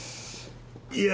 いや